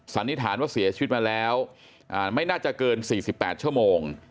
สันนิษฐานว่าเสียชีวิตมาแล้วไม่น่าจะเกิน๔๘ชั่วโมง